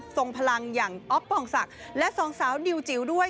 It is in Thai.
ส่งพลังอย่างอ๊อฟปองศักดิ์และสองสาวนิวจิ๋วด้วย